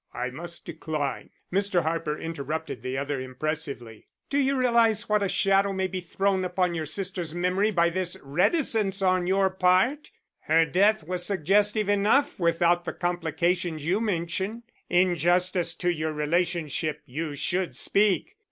I must decline " Mr. Harper interrupted the other impressively. "Do you realize what a shadow may be thrown upon your sister's memory by this reticence on your part? Her death was suggestive enough without the complications you mention. In justice to your relationship you should speak.